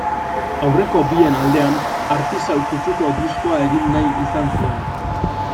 Aurreko bien aldean, artisau kutsuko diskoa egin nahi izan zuen.